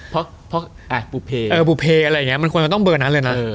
เพราะอ่ะบูเปเออบูเปอะไรอย่างเงี้ยมันควรจะต้องเบิกอันนั้นเลยนะ